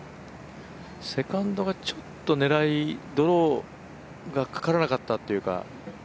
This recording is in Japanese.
セカンドがちょっと狙いドローがかからなかったというか。